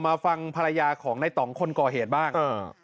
มาฟังภรรยาของในต่องคนก่อเหตุบ้าง